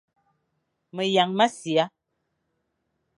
Meyañ mʼasia,